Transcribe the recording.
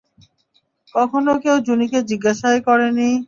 কখনও কেউ জুনি কে জিজ্ঞাসাই করে নি।